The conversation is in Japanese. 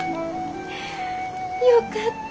よかった。